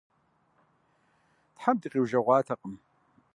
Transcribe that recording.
Тхьэм дыкъиужэгъужатэкъым.